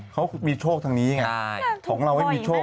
เขามีโชคพร้อมตรงนี้ของเราไม่มีโชค